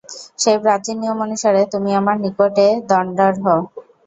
সেই প্রাচীন নিয়ম অনুসারে তুমি আমার নিকটে দণ্ডার্হ।